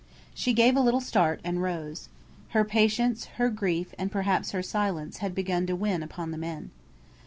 She gave a little start, and rose. Her patience, her grief, and perhaps her silence, had begun to win upon the men.